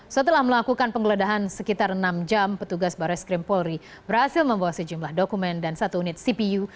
setelah melakukan penggeledahan sekitar enam jam petugas bares krim polri berhasil membawa sejumlah dokumen dan satu unit cpu